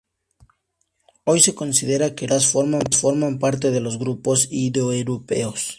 Hoy se considera que los celtas forman parte de los grupos indoeuropeos.